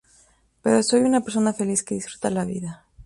Pero soy una persona feliz, que disfruta la vida.